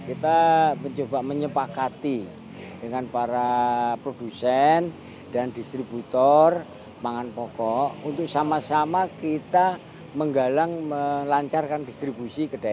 kita mencoba menyepakati dengan para produsen dan distributor pangan pokok untuk sama sama kita menggalang melancarkan distribusi ke daerah